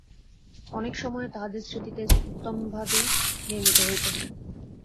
অনেক সময়ে তাঁহাদের স্মৃতিতে স্তম্ভাদি নির্মিত হইত।